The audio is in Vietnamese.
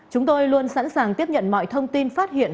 chúng tôi luôn sẵn sàng tiếp nhận mọi thông tin phát hiện